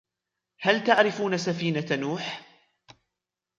هل تعرفون سفينة نوح؟